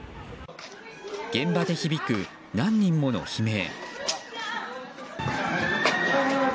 現場で響く何人もの悲鳴。